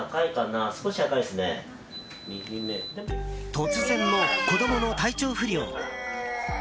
突然の子供の体調不良。